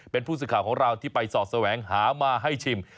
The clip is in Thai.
เป็นผู้สื่อข่าวของเราที่ไปสอดแสวงหามาให้ชิม